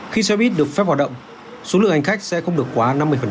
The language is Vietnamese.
khi xe buýt được phép hoạt động số lượng hành khách sẽ không được quá năm mươi